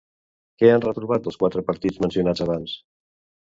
Què han reprovat els quatre partits mencionats abans?